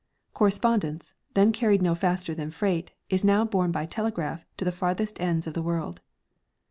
Corre spondence, then carried no faster than freight, is now borne b)^ telegraph to the farthest ends of the world.